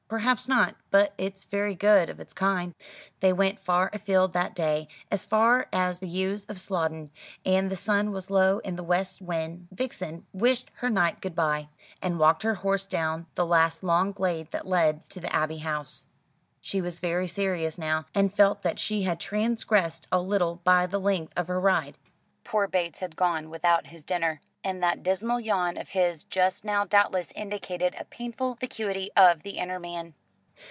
"Perhaps not; but it's very good of its kind." They went far afield that day; as far as the yews of Sloden; and the sun was low in the west when Vixen wished her knight good bye, and walked her horse down the last long glade that led to the Abbey House. She was very serious now, and felt that she had transgressed a little by the length of her ride. Poor Bates had gone without his dinner, and that dismal yawn of his just now doubtless indicated a painful vacuity of the inner man.